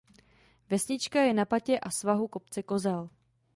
Vesnička je na patě a svahu kopce Kozel.